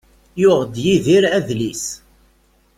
Yuɣ-d Yidir adlis.